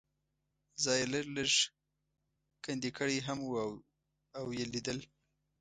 ځای یې لږ لږ کندې کړی هم و او یې لیدل.